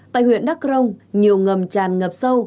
tại huyện đắc rông nhiều ngầm tràn ngập sâu